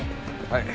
はい。